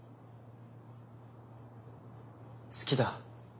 好きだ。